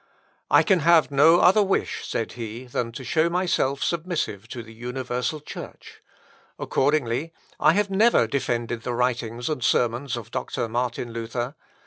"I can have no other wish," said he, "than to show myself submissive to the universal Church. Accordingly, I have never defended the writings and sermons of Doctor Martin Luther.